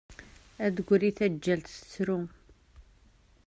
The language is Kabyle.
Ad d-tegri tağğalt tettru.